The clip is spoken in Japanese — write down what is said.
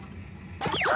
あ！